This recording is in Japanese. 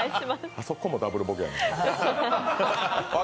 あそこもダブルボケやねん。